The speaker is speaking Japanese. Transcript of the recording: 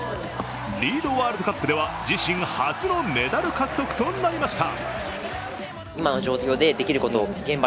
リード・ワールドカップでは自身初のメダル獲得となりました。